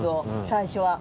最初は。